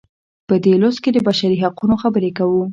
په دې لوست کې د بشري حقونو خبرې کوو.